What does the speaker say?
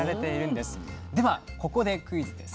ではここでクイズです。